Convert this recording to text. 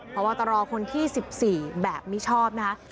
พบตรคนที่๑๔แบบมิชอบนะคะ